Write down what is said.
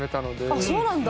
あっそうなんだ。